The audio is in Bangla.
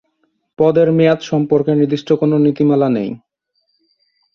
পদের মেয়াদ সম্পর্কে নির্দিষ্ট কোন নীতিমালা নেই।